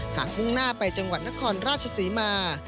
มุ่งหน้าไปจังหวัดนครราชศรีมา